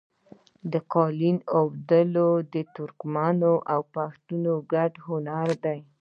د قالیو اوبدل د ترکمنو او پښتنو ګډ هنر دی.